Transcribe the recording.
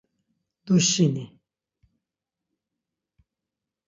Duşini!